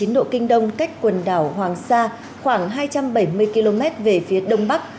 một trăm một mươi ba chín độ kinh đông cách quần đảo hoàng sa khoảng hai trăm bảy mươi km về phía đông bắc